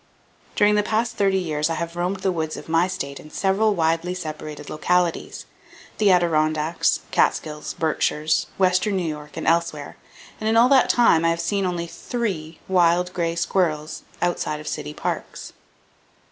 During the past thirty years I have roamed the woods of my state in several widely separated localities,—the Adirondacks, Catskills, Berkshires, western New York and elsewhere, and in all that time I have seen only three wild gray squirrels outside of city parks.